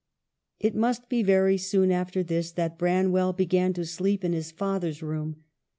It must be very soon after this that Branwell began to sleep in his father's room.